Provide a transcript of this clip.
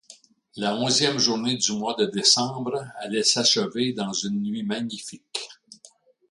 La onzième journée du mois de décembre allait s’achever dans une nuit magnifique.